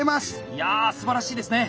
いやすばらしいですね。